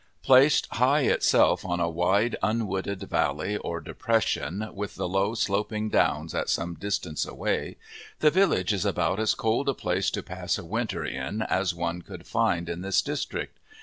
Placed high itself on a wide, unwooded valley or depression, with the low, sloping downs at some distance away, the village is about as cold a place to pass a winter in as one could find in this district.